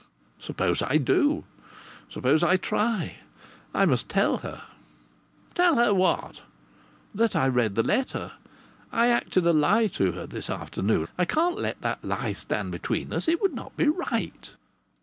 "Suppose I do? Suppose I try? I must tell her!" "Tell her what?" "That I read the letter. I acted a lie to her this afternoon. I can't let that lie stand between us. It would not be right."